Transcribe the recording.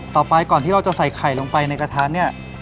ต่อไปก่อนที่เราจะใส่ไข่ลงไปในกระทะเนี่ย